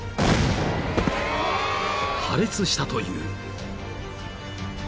［破裂したという］